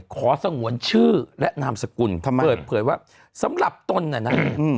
ขอสงวนชื่อและนามสกุลเผื่อว่าสำหรับตนน่ะนะ